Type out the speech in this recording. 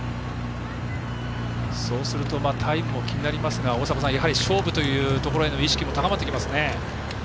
そうするとタイムも気になりますが勝負というところへの意識も高まりますね。